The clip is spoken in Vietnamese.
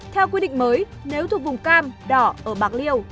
theo quy định mới nếu thuộc vùng cam đỏ ở bạc liêu